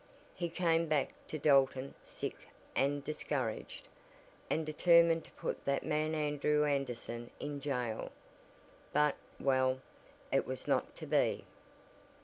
He came back to Dalton, sick and discouraged, and determined to put that man Andrew Anderson in jail. But well it was not to be.